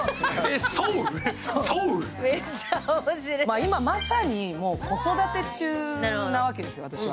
今、まさに子育て中なわけですよ、私は。